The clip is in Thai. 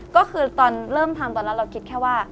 ก็คือตอนเริ่มทำตอนนั้นเราคิดแค่ว่า